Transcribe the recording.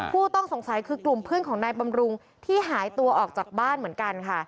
ผู้ต้องสงสัยคือกลุ่มเพื่อนของนายบำรุงที่หายตัวออกจากบ้านเหมือนกันค่ะ